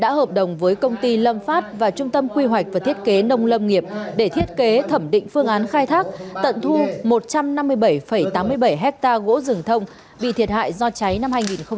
đã hợp đồng với công ty lâm phát và trung tâm quy hoạch và thiết kế nông lâm nghiệp để thiết kế thẩm định phương án khai thác tận thu một trăm năm mươi bảy tám mươi bảy hectare gỗ rừng thông bị thiệt hại do cháy năm hai nghìn một mươi bảy